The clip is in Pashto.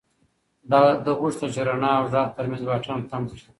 ده غوښتل چې د رڼا او غږ تر منځ واټن کم کړي.